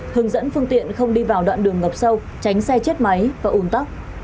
hướng dẫn phương tiện không đi vào đoạn đường ngập sâu tránh xe chết máy và ủn tắc